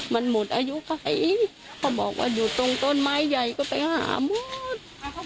มันหมดอายุใครเขาบอกว่าอยู่ตรงต้นไม้ใหญ่ก็ไปหาหมด